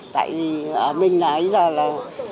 tại vì mình là bây giờ là